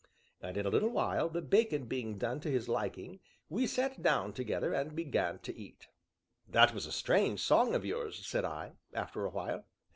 And in a little while, the bacon being done to his liking, we sat down together, and began to eat. "That was a strange song of yours," said I, after a while.